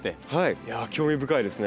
いや興味深いですね。